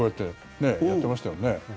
ねえ、やってましたよね。